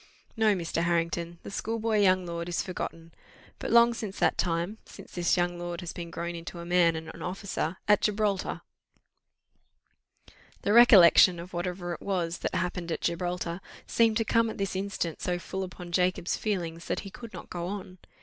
"No, Mr. Harrington, the schoolboy young lord is forgotten. But long since that time, since this young lord has been grown into a man, and an officer at Gibraltar " The recollection of whatever it was that happened at Gibraltar seemed to come at this instant so full upon Jacob's feelings, that he could not go on.